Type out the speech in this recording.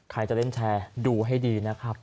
ใครจะเล่นแชร์ดูให้ดีนะครับ